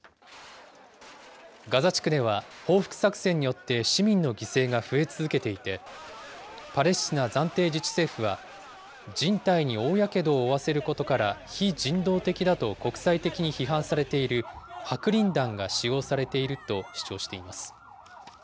ガザ地区では、報復作戦によって市民の犠牲が増え続けていて、パレスチナ暫定自治政府は、人体に大やけどを負わせることから非人道的だと国際的に批判されている白リン弾が使用されていると主張しています。